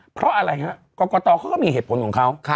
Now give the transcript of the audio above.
เพราะอะไรครับกรกตรก็มีเหตุผลของเขา